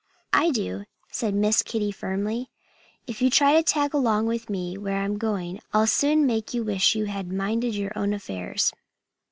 "I do," said Miss Kitty firmly. "If you try to tag along after me where I'm going I'll soon make you wish you had minded your own affairs."